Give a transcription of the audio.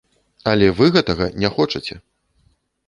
Але вы гэтага не хочаце.